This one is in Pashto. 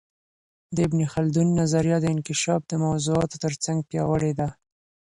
د ابن خلدون نظریه د انکشاف د موضوعاتو ترڅنګ پياوړې ده.